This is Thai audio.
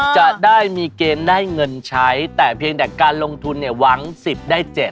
จะได้มีเกณฑ์ได้เงินใช้แต่เพียงแต่การลงทุนเนี่ยหวัง๑๐ได้๗